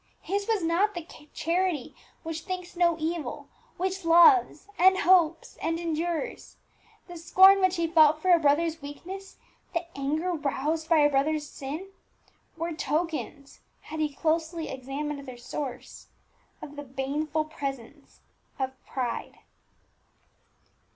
His was not the charity which thinks no evil, which loves, and hopes, and endures; the scorn which he felt for a brother's weakness, the anger roused by a brother's sin, were tokens had he closely examined their source of the baneful presence of pride.